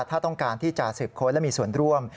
ถ้าต้องการที่จะสืบค้นและมีส่วนร่วม